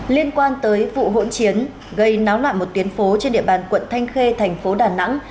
liên quan tới vụ hỗn chiến gây náo loạn một tuyến phố trên địa bàn quận thanh khê thành phố đà nẵng